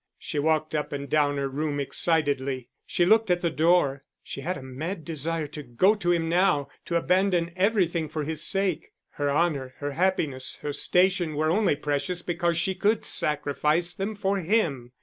She walked up and down her room excitedly. She looked at the door; she had a mad desire to go to him now to abandon everything for his sake. Her honour, her happiness, her station, were only precious because she could sacrifice them for him.